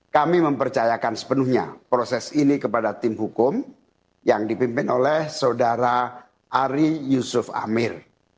kami mempercayakan sepenuhnya proses ini kepada tim hukum yang dipimpin oleh saudara ari yusuf amir